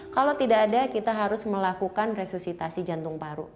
kalau tidak ada kita harus melakukan resusitasi jantung paru